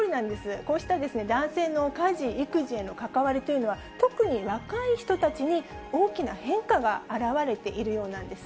こうした男性の家事・育児への関わりというのは、特に若い人たちに大きな変化が現れているようなんです。